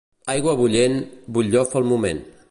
Aigua bullent, butllofa al moment.